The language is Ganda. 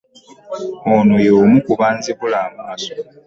Ono y’omu ku banzibula amaaso.